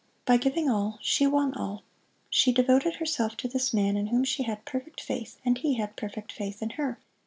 By giving all, she won all. She devoted herself to this man in whom she had perfect faith, and he had perfect faith in her.